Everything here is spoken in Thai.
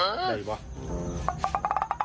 ขออันที่เบาดีหรือเปล่าเบามาก